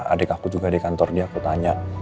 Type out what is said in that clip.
adik aku juga di kantor dia aku tanya